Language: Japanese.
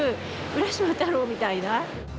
浦島太郎みたいな。